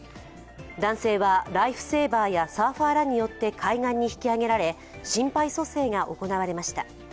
男性はライフセーバーやサーファーらによって海岸に引き上げられ心肺蘇生が行われました。